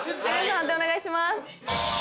判定お願いします。